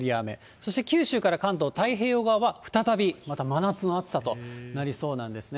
そして九州から関東、太平洋側は再びまた真夏の暑さとなりそうなんですね。